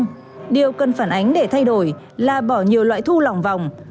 không điều cần phản ánh để thay đổi là bỏ nhiều loại thu lỏng vòng